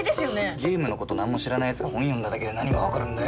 ゲームの事なんも知らない奴が本読んだだけで何がわかるんだよ？